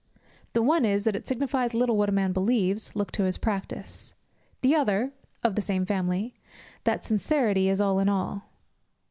The one is, that it signifies little what a man believes; look to his practice. The other (of the same family) that sincerity is all in all.